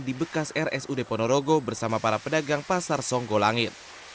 di bekas rsud ponorogo bersama para pedagang pasar songgolangit